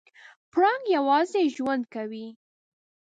پړانګ یوازې ژوند کوي.